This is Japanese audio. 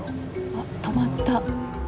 あっ止まった。